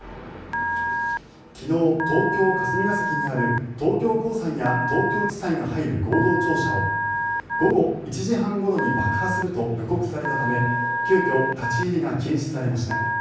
昨日、東京・霞が関にある東京高裁や東京地裁が入る合同庁舎を午後１時半ごろに爆破すると予告されたため急きょ立ち入りが禁止されました。